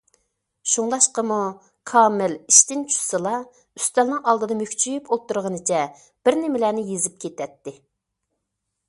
شۇڭلاشقىمۇ، كامىل ئىشتىن چۈشسىلا ئۈستەلنىڭ ئالدىدا مۈكچىيىپ ئولتۇرغىنىچە بىرنېمىلەرنى يېزىپ كېتەتتى.